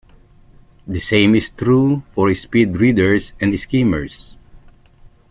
The same is true for speed readers and skimmers.